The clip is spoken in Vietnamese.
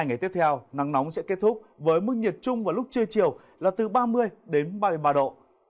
hai ngày tiếp theo nắng nóng sẽ kết thúc với mức nhiệt chung vào lúc trưa chiều là từ ba mươi đến ba mươi ba độ